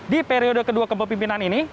di periode kedua kepemimpinan ini